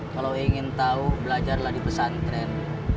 kalo ingin tau belajarlah di pesantren